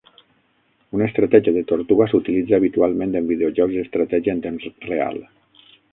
Una estratègia de tortuga s'utilitza habitualment en videojocs d'estratègia en temps real.